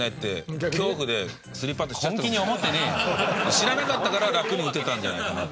知らなかったからラクに打てたんじゃないかな。